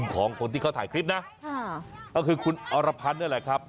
ของคนที่เขาถ่ายคลิปนะก็คือคุณอรพันธ์นั่นแหละครับ